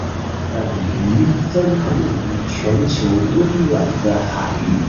本鱼分布于全球温暖的海域。